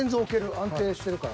安定してるから。